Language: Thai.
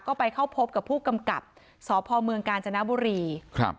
ก็ไปเข้าพบกับผู้กำกับสพเมืองกาญจนบุรีครับ